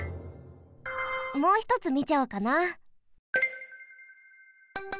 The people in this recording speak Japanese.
もうひとつみちゃおうかな。